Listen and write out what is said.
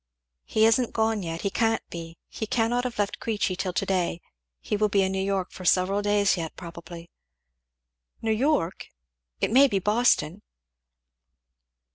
"He isn't gone yet he can't be he cannot have left Queechy till to day he will be in New York for several days yet probably." "New York! it may be Boston?"